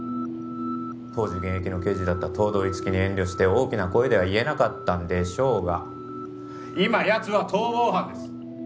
当時現役の刑事だった東堂樹生に遠慮して大きな声では言えなかったんでしょうが今やつは逃亡犯です